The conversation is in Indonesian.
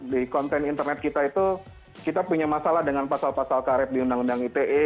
di konten internet kita itu kita punya masalah dengan pasal pasal karet di undang undang ite